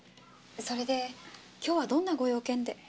それで今日はどんなご用件で？